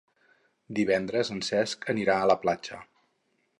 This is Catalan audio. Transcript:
Divendres en Cesc anirà a la platja.